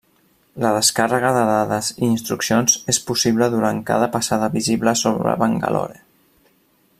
La descàrrega de dades i instruccions és possible durant cada passada visible sobre Bangalore.